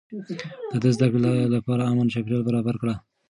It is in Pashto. ده د زده کړې لپاره امن چاپېريال برابر کړ.